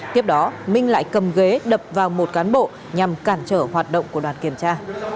tiếp đó minh lại cầm ghế đập vào một cán bộ nhằm cản trở hoạt động của đoàn kiểm tra